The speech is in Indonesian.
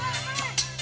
ujang ujang ujang